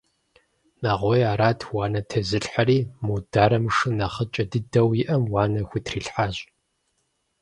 Нэгъуейр арат уанэ тезылъхьэри, Мударым шы нэхъыкӀэ дыдэу иӀэм уанэ хутрилъхьащ.